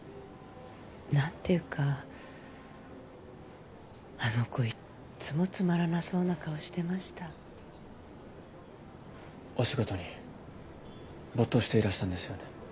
何ていうかあの子いっつもつまらなそうな顔してましたお仕事に没頭していらしたんですよね？